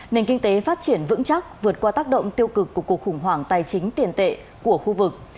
nền kinh tế phát triển vững chắc vượt qua tác động tiêu cực của cuộc khủng hoảng tài chính tiền tệ của khu vực